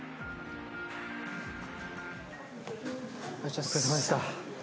お疲れ様でした。